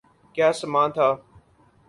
کیا سماں تھا۔